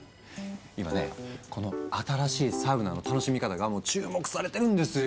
今ねこの新しいサウナの楽しみ方が注目されてるんですよ。